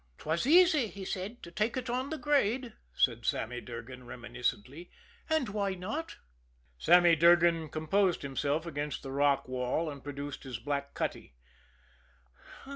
"'Twas easy, he said, to take it on the grade," said Sammy Durgan reminiscently. "And why not?" Sammy Durgan composed himself against the rock wall, and produced his black cutty.